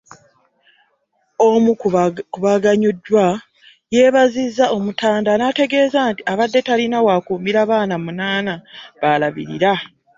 Omu ku baganyuddwa yeebazizza Omutanda n’ategeeza nti, abadde talina w’akuumira baana omunaana b’alabirira.